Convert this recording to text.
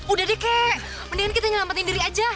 udah deh kek mendingan kita nyelamatin diri aja